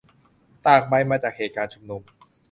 ตากใบ มาจากเหตุการณ์ชุมนุม